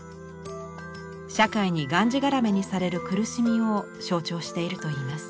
社会にがんじがらめにされる苦しみを象徴しているといいます。